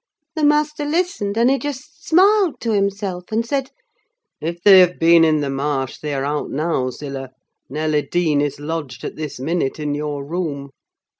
The master listened, and he just smiled to himself, and said, 'If they have been in the marsh, they are out now, Zillah. Nelly Dean is lodged, at this minute, in your room.